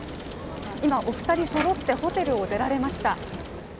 今、お二人そろってホテルを出られました。